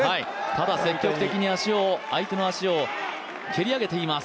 積極的に相手の足を蹴り上げています。